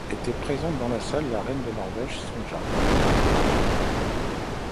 Était présente dans la salle, la reine de Norvège, Sonja.